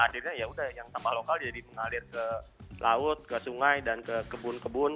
akhirnya yaudah yang sampah lokal jadi mengalir ke laut ke sungai dan ke kebun kebun